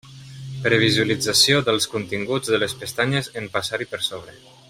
Previsualització dels continguts de les pestanyes en passar-hi per sobre.